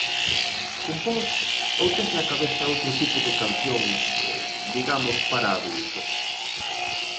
Compós ou tes na cabeza outro tipo de cancións, digamos para adultos?